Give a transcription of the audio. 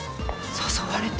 誘われた！？